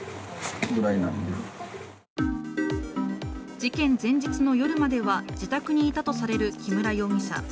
事件前日の夜までは自宅にいたとされる木村容疑者。